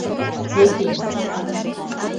Епим.